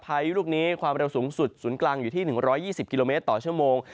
พายุลูกนี้ความเร็วสูงสุดศูนย์กลางอยู่ที่๑๒๐กิโลเมตรต่อชั่วโมง